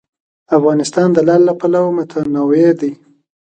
افغانستان د لعل له پلوه متنوع دی.